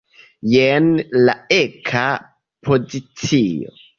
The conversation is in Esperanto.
Jen la eka pozicio.